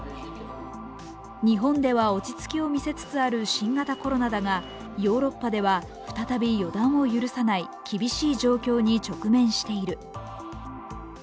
日本では落ち着きを見せつつある新型コロナだがヨーロッパでは再び予断を許さない厳しい状況に直面している。